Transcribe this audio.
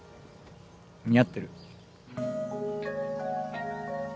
似合ってる